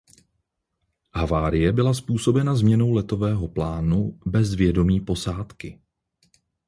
Havárie byla způsobena změnou letového plánu bez vědomí posádky.